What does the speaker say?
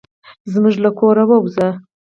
زموږ له کوره ووزه.